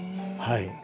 はい。